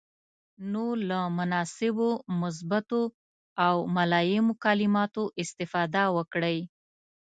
نو له مناسبو، مثبتو او ملایمو کلماتو استفاده وکړئ.